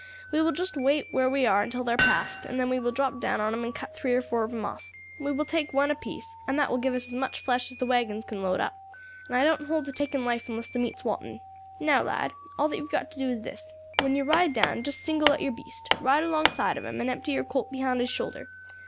We will just wait where we are until they are past, and then we will drop down on 'em and cut three or four of 'em off. We will take one apiece; that will give us as much flesh as the waggons can load up, and I don't hold to taking life unless the meat's wanted. Now, lad, all that you have got to do is, when you ride down just single out your beast, ride alongside of him, and empty your Colt behind his shoulder.